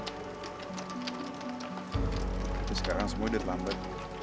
tapi sekarang semua udah terlambat